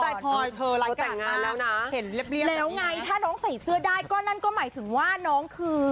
แต่พอยเธอหลังกันแล้วไงถ้าน้องใส่เสื้อได้ก็นั่นก็หมายถึงว่าน้องคือ